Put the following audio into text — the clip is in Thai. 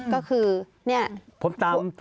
ก็คือเนี่ย